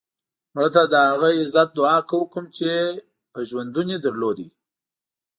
مړه ته د هغه عزت دعا کوو کوم یې چې ژوندی لرلو